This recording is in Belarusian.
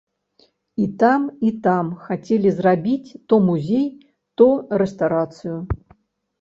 І там, і там хацелі зрабіць то музей, то рэстарацыю.